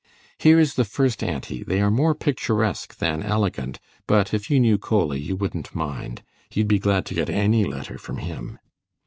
"Here is the first, auntie; they are more picturesque than elegant, but if you knew Coley, you wouldn't mind; you'd be glad to get any letter from him."